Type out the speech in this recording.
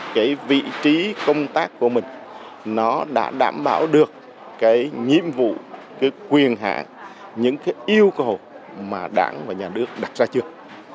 cái vị trí công tác của mình nó đã đảm bảo được cái nhiệm vụ cái quyền hạn những cái yêu cầu mà đảng và nhà nước đặt ra trước